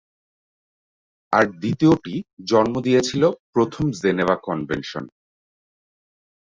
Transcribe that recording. আর দ্বিতীয়টি জন্ম দিয়েছিল প্রথম "জেনেভা কনভেনশন"।